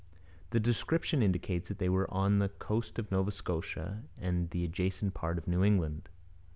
The description indicates that they were on the coast of Nova Scotia and the adjacent part of New England.